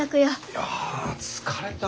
いやあ疲れた。